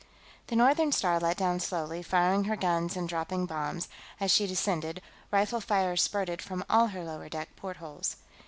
The Northern Star let down slowly, firing her guns and dropping bombs; as she descended, rifle fire spurted from all her lower deck portholes.